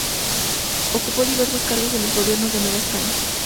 Ocupó diversos cargos en los gobiernos de Nueva España.